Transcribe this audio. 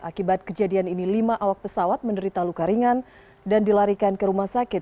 akibat kejadian ini lima awak pesawat menderita luka ringan dan dilarikan ke rumah sakit